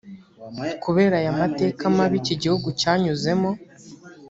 Kubera aya mateka mabi iki gihugu cyanyuzemo